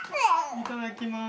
いただきます。